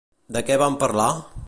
De què van parlar?